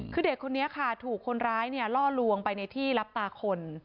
คือเด็กคนนี้ค่ะถูกคนร้ายล่อลวงไปในที่รับตาคน